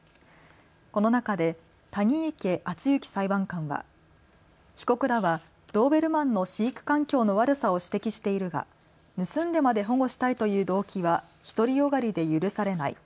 この中で谷池厚行裁判官は被告らはドーベルマンの飼育環境の悪さを指摘しているが盗んでまで保護したいという動機は独り善がりで許されない。